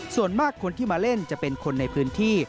ส่วนมากคนที่มาเล่นจะเป็นคนในพื้นที่